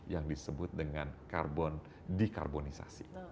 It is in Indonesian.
yang disebut dengan karbon dikarbonisasi